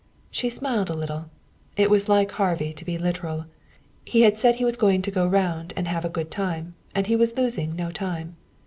She smiled a little. It was like Harvey to be literal. He had said he was going to go round and have a good time, and he was losing no time.